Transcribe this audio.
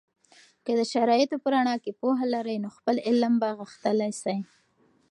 که د شرایطو په رڼا کې پوهه لرئ، نو خپل علم به غښتلی سي.